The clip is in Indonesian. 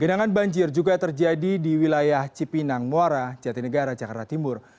genangan banjir juga terjadi di wilayah cipinang muara jatinegara jakarta timur